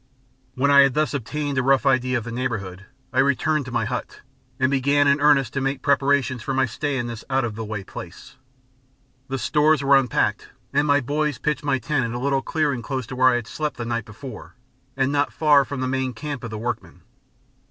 When I had thus obtained a rough idea of the neighbourhood, I returned to my hut, and began in earnest to make preparations for my stay in this out of the way place. The stores were unpacked, and my "boys" pitched my tent in a little clearing close to where I had slept the night before and not far from the main camp of the workmen.